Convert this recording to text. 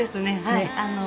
はい。